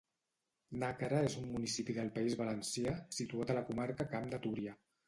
Nàquera és un municipi del País Valencià situat a la comarca Camp de Túria